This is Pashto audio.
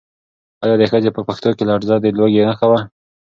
ایا د ښځې په پښو کې لړزه د لوږې نښه وه؟